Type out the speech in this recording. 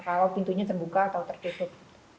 kalau pintunya terbuka atau tertutup